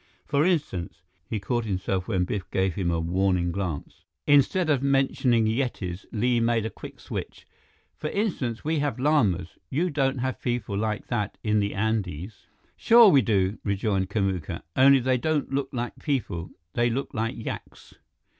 "For instance" he caught himself when Biff gave him a warning glance. Instead of mentioning Yetis, Li made a quick switch. "For instance, we have Lamas. You don't have people like that in the Andes." "Sure we do," rejoined Kamuka. "Only they don't look like people. They look like yaks."